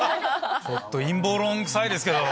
ちょっと陰謀論くさいですけど。